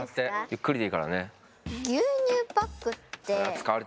ゆっくりでいいからね。